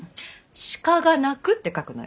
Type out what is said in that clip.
「鹿が鳴く」って書くのよ。